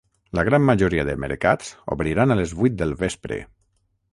La gran majoria de mercats obriran a les vuit del vespre.